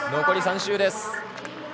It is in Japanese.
残り３周。